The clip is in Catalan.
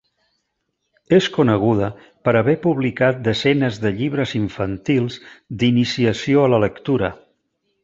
És coneguda per haver publicat desenes de llibres infantils d'iniciació a la lectura.